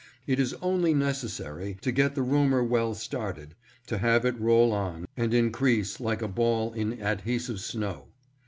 It is only necessary to get the rumor well started to have it roll on and increase like a ball in adhesive snow.